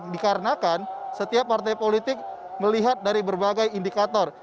dikarenakan setiap partai politik melihat dari berbagai indikator